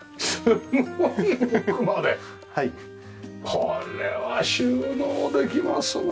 これは収納できますね。